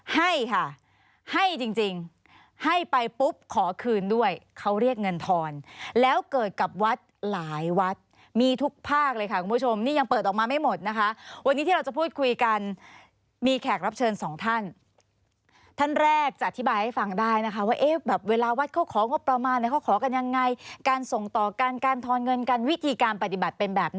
ให้ค่ะให้จริงให้ไปปุ๊บขอคืนด้วยเขาเรียกเงินทอนแล้วเกิดกับวัดหลายวัดมีทุกภาคเลยค่ะคุณผู้ชมนี่ยังเปิดออกมาไม่หมดนะคะวันนี้ที่เราจะพูดคุยกันมีแขกรับเชิญสองท่านท่านแรกจะอธิบายให้ฟังได้นะคะว่าเอ๊ะแบบเวลาวัดเขาของงบประมาณเนี่ยเขาขอกันยังไงการส่งต่อกันการทอนเงินกันวิธีการปฏิบัติเป็นแบบ